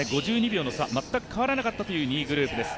５２秒の差、全く変わらなかったという２位グループです。